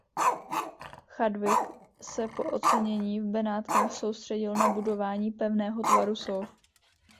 Chadwick se po ocenění v Benátkách soustředil na budování pevného tvaru soch.